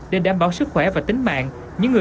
để đảm bảo sức khỏe và tính mạng